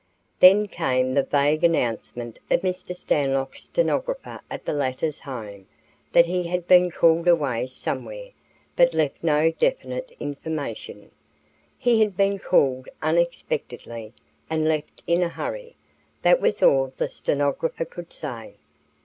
Then came the vague announcement from Mr. Stanlock's stenographer at the latter's home that he had been called away somewhere, but left no definite information. He had been called unexpectedly and left in a hurry. That was all the stenographer could say.